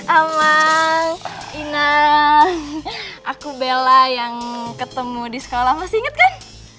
ama aku bella yang ketemu di sekolah masih inget kan